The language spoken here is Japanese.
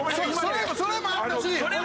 それもあったし。